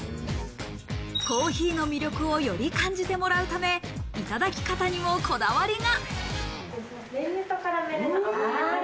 コーヒーの魅力をより感じてもらうため、いただき方にもこだわりが。